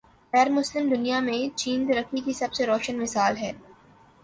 غیر مسلم دنیا میں چین ترقی کی سب سے روشن مثال ہے۔